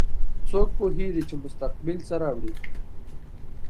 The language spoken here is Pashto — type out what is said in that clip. څوک پوهیږي چې مستقبل څه راوړي